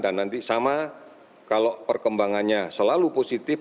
dan nanti sama kalau perkembangannya selalu positif